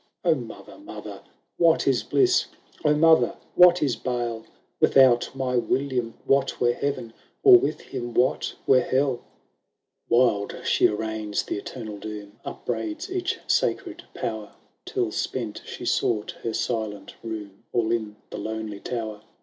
"O mother, mother, what is bliss? O mother, what is bale ? Without my William what were heaven, Or with him what were hell ?" 712 WILLIAM AND HELEN. XXII Wild she arraigns the eternal doom, Upbraids each sacred power, Till, spent, she sought her silent room All in the lonely tower.